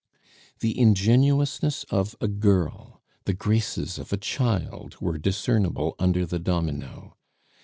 The ingenuousness of a girl, the graces of a child were discernible under the domino.